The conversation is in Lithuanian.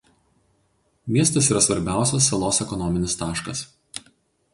Miestas yra svarbiausias salos ekonominis taškas.